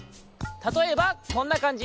たとえばこんなかんじ。